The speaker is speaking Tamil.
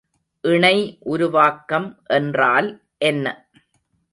இணை உருவாக்கம் என்றால் என்ன?